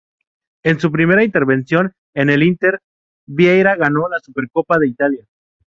En su primera intervención en el Inter, Vieira ganó la Supercopa de Italia.